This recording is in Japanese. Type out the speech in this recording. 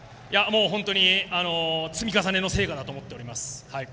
本当に積み重ねの成果だと思っております。